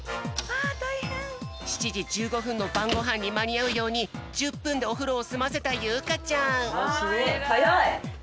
７じ１５ふんのばんごはんにまにあうように１０ぷんでおふろをすませたゆうかちゃん。